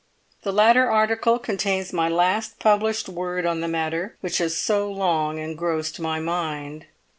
The latter article contains my last published word on the matter which has so long engrossed my mind.